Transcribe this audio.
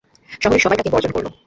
শহরের সবাই তাঁকে বর্জন করল।